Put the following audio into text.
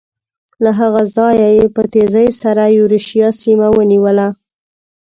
له هغه ځایه یې په تېزۍ سره یورشیا سیمه ونیوله.